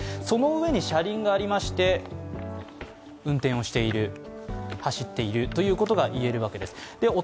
そのうえに車輪がありまして運転をしている走っているということがいえるわけです。